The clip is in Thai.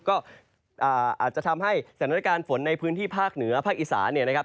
ก็อาจจะทำให้สถานการณ์ฝนในพื้นที่ภาคเหนือภาคอีสาเนี่ยนะครับ